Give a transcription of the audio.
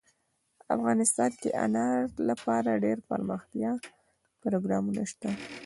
افغانستان کې د انار لپاره دپرمختیا پروګرامونه شته.